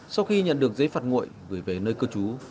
sau khi nhận được giấy phạt nguội gửi về nơi cư trú